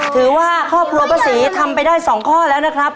ถือว่าครอบครัวป้าศรีทำไปได้๒ข้อแล้วนะครับ